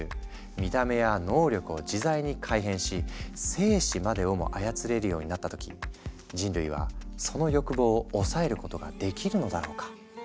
見た目や能力を自在に改変し生死までをも操れるようになった時人類はその欲望を抑えることができるのだろうか。